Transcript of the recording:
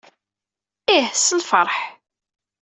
Ih, s lfeṛḥ.